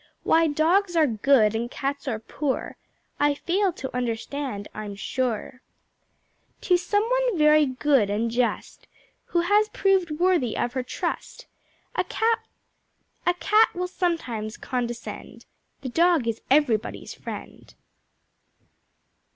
Why Dogs are "good" and Cats are "poor" I fail to understand, I'm sure. To Someone very Good and Just, Who has proved worthy of her trust, A Cat will sometimes condescend The Dog is Everybody's friend.